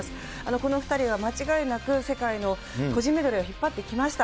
この２人は間違いなく世界の個人メドレーを引っ張ってきました。